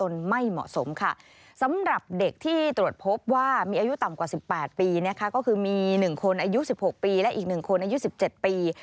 และอีก๑คนใน๒๗ปี